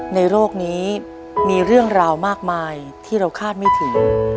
ในโลกนี้มีเรื่องราวมากมายที่เราคาดไม่ถึง